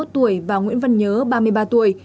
ba mươi một tuổi và nguyễn văn nhớ ba mươi ba tuổi